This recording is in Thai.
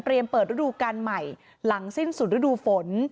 เปิดฤดูการใหม่หลังสิ้นสุดฤดูฝน